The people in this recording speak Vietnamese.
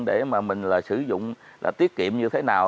để mà mình là sử dụng là tiết kiệm như thế nào